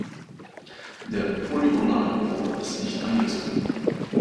Der polygonale Chor ist nicht eingezogen.